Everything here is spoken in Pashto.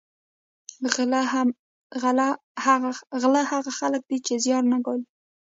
غله هغه خلک دي چې زیار نه ګالي